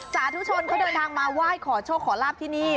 สาธุชนเขาเดินทางมาไหว้ขอโชคขอลาบที่นี่